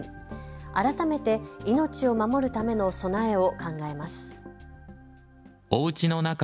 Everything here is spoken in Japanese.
改めて命を守るための備えを考えます。